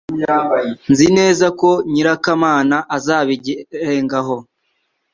Nzi neza ko nyirakamana azabirengaho